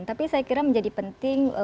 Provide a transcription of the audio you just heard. tapi saya kira menjadi penting